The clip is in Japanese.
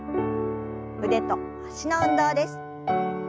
腕と脚の運動です。